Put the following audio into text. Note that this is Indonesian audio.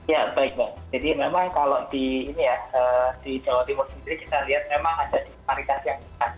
ya baik jadi memang kalau di jawa timur sendiri kita lihat memang ada disparitas yang besar